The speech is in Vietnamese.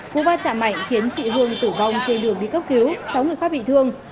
cú va chạm mạnh khiến chị hương tử vong trên đường đi cấp cứu sáu người khác bị thương